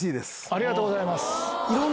ありがとうございます。